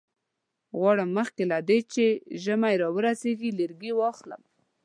غواړم مخکې له دې چې ژمی را ورسیږي لرګي واخلم.